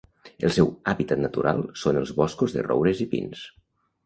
El seu hàbitat natural són els boscos de roures i pins.